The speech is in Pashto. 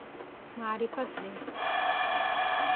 معرفت دی.